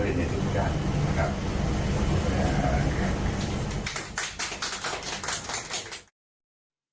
หลายเรื่องนะครับ